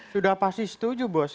sudah pasti setuju bos